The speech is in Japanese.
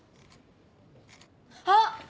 あっ！